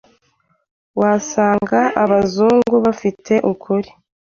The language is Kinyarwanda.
Wasanga abazungu bafite ukuri